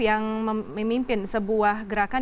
yang memimpin sebuah gerakan